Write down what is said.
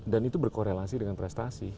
dan itu berkorelasi dengan prestasi